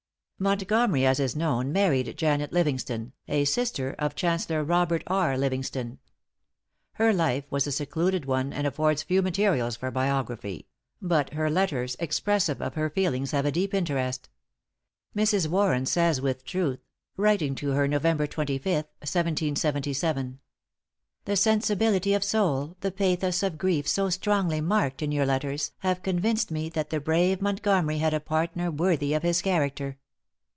Montgomery, as is known, married Janet Livingston, a sister of Chancellor Robert R. Livingston. Her life was a secluded one, and affords few materials for biography; but her letters expressive of her feelings have a deep interest. Mrs. Warren says with truth writing to her Nov. 25th, 1777: "The sensibility of soul, the pathos of grief so strongly marked in your letters, have convinced me that the brave Montgomery had a partner worthy of his character."